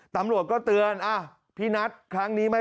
ตำรวจก็จะเล่าตามนั้น